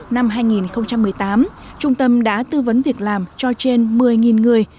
năm hai nghìn một mươi tám trung tâm đã tư vấn việc làm cho trên một mươi người